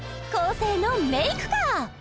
昴生のメイクか？